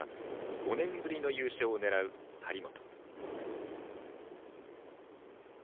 ５年ぶりの優勝を狙う張本。